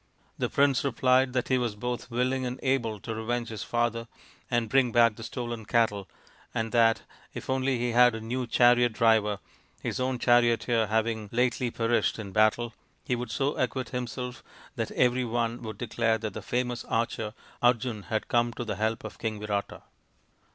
The prince replied that he was both willing and able to revenge his father and bring back the stolen cattle, and that if only he had a new chariot driver, his own charioteer having lately perished in battle, he would so acquit himself that every one would declare that the famous archer Arjun had come to the help of King Virata